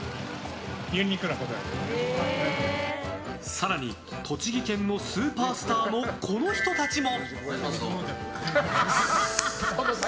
更に、栃木県のスーパースターのこの人たちも。